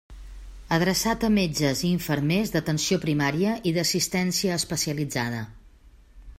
Adreçat a metges i infermers d'Atenció Primària i d'Assistència Especialitzada.